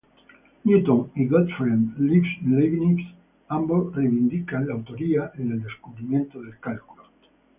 Newton y Gottfried Leibniz ambos reivindican la autoría en el descubrimiento del cálculo.